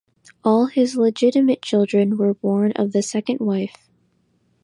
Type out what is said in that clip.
All his legitimate children were born of the second wife.